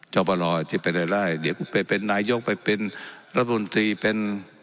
เจ้าปะรอจะเป็นอะไรได้เดี๋ยวกูเป็นนายยกไปเป็นรัฐบุญตรีเป็น